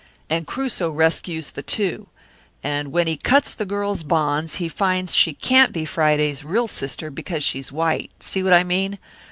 And Crusoe rescues the two. And when he cuts the girl's bonds he finds she can't be Friday's real sister, because she's white see what I mean?